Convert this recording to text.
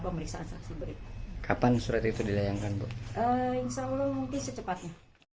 pemeriksaan saksi berikutnya kapan surat itu dilayangkan insya allah mungkin secepatnya